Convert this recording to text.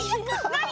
なに？